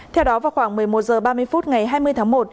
theo đó vào khoảng một mươi một h ba mươi phút ngày hai mươi tháng một